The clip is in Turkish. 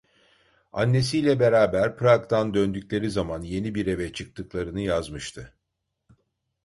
Annesiyle beraber Prag'dan döndükleri zaman yeni bir eve çıktıklarını yazmıştı.